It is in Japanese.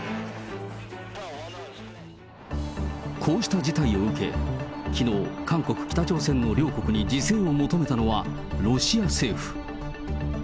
こうした事態を受け、きのう、韓国、北朝鮮の両国に自制を求めたのは、ロシア政府。